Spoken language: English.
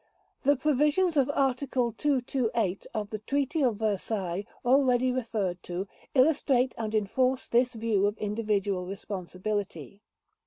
The provisions of Article 228 of the Treaty of Versailles already referred to illustrate and enforce this view of individual responsibility.